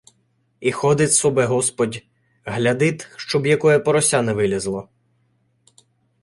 І ходит собе господь, глядит, щоб якоє порося не вилєзло.